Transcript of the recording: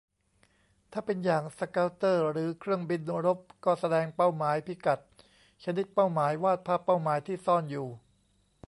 ถ้าเป็นอย่างสเกาเตอร์หรือเครื่องบินรบ ก็แสดงเป้าหมาย พิกัด ชนิดเป้าหมาย วาดภาพเป้าหมายที่ซ่อนอยู่